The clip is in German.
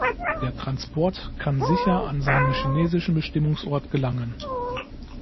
Der Transport kann sicher an seinen chinesischen Bestimmungsort gelangen.